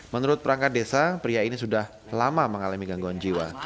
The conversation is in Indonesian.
menurut perangkat desa pria ini sudah lama mengalami gangguan jiwa